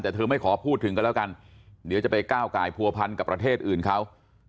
แต่เธอไม่ขอพูดถึงกันแล้วกันเดี๋ยวจะไปก้าวไก่ผัวพันกับประเทศอื่นเขา